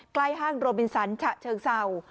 ใกล้ห้างโรมินสันฉะเทิงเซา